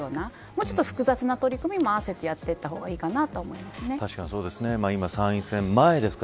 もうちょっと複雑な取り組みを合わせてやったほうがいいと確かにそうですね。